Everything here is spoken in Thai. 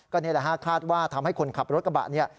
นี่แหละฮะคาดว่าทำให้คนขับรถกระบะเนี่ย